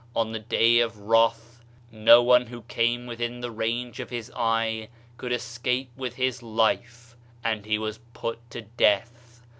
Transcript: On the day of wrath no one who came within the range of his eye could escape with his life, and he was put to death.